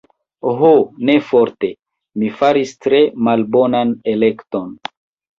Ho, ne forte, mi faris tre malbonan elekton.